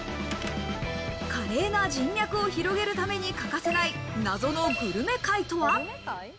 華麗な人脈を広げるために欠かせない謎のグルメ会とは？